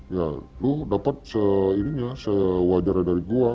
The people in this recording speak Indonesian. ya lo dapat sewajarnya dari gue